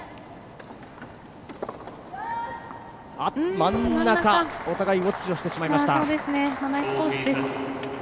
真ん中、お互いウォッチをしてしまいました。